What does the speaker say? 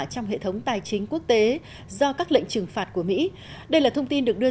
trong hệ thống tài chính quốc tế do các lệnh trừng phạt của mỹ đây là thông tin được đưa